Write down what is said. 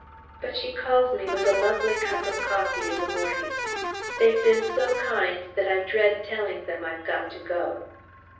But she calls me with a lovely cup of coffee in the morning. They've been so kind that I dread telling them I've got to go.